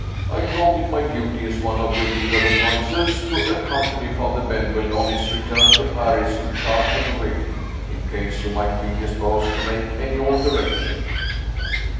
I thought it my duty, as one of your legal advisers, to accompany Father Benwell on his return to Paris in charge of the will in case you might feel disposed to make any alteration."